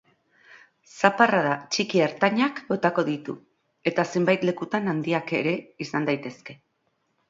Zaparrada txiki-ertainak botako ditu, eta zenbait lekutan handiak ere izan daitezke.